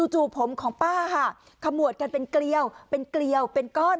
จู่ผมของป้าค่ะขมวดกันเป็นเกลียวเป็นเกลียวเป็นก้อน